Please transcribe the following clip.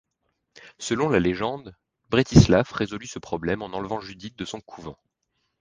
Selon la légende, Bretislav résolut ce problème en enlevant Judith de son couvent.